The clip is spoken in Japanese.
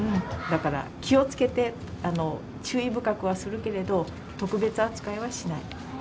だから気をつけて、注意深くはするけれど、特別扱いはしない。